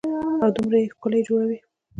او دومره يې ښکلي جوړوي.